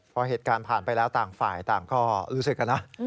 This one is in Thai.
พอเหตุการณ์ผ่านไปแล้วต่างฝ่ายต่างก็รู้สึกอะนะ